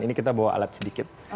ini kita bawa alat sedikit